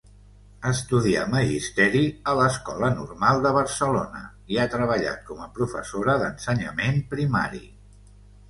Estudià magisteri a l'Escola Normal de Barcelona i ha treballat com a professora d'ensenyament primari.